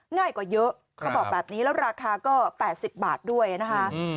ง่ายกว่าเยอะเขาบอกแบบนี้แล้วราคาก็๘๐บาทด้วยนะคะ